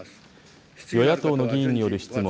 与野党の議員による質問。